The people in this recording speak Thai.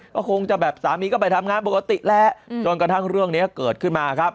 ก็คงจะแบบสามีก็ไปทำงานปกติแหละจนกระทั่งเรื่องนี้เกิดขึ้นมาครับ